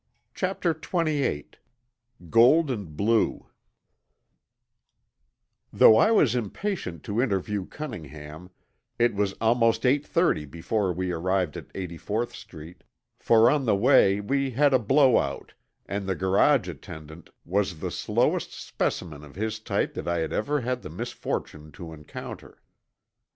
CHAPTER XXVIII GOLD AND BLUE Though I was impatient to interview Cunningham, it was almost eight thirty before we arrived at 84th Street, for on the way we had a blowout and the garage attendant was the slowest specimen of his type that I had ever had the misfortune to encounter.